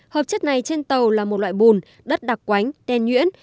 hợp chất này trên tàu là một loại bùn đất đặc quánh đen nhuyễn